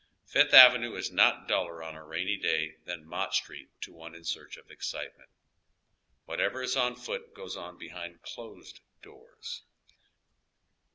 Fifth Avenue is not duller on a rainy day than Mott Street to one in searcJi of excite ment. Whatever is on foot goes on behind closed doors.